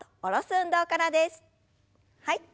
はい。